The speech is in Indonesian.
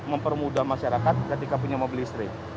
mempermudah masyarakat ketika punya mobil listrik